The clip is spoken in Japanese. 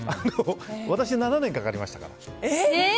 私は７年かかりましたから。